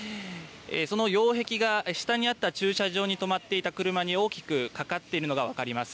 その擁壁が下にあった駐車場にとまっていた車に大きくかかっているのが分かります。